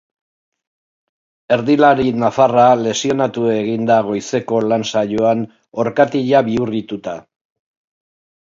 Erdilari nafarra lesionatu egin da goizeko lan saioan orkatila bihurrituta.